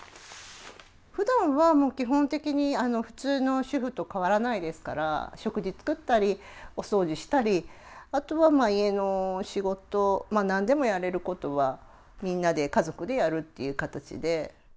ふだんは基本的に普通の主婦と変わらないですから食事作ったりお掃除したりあとはまあ家の仕事まあ何でもやれることはみんなで家族でやるっていう形で。